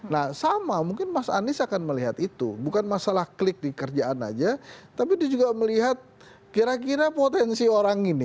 nah sama mungkin mas anies akan melihat itu bukan masalah klik di kerjaan aja tapi dia juga melihat kira kira potensi orang ini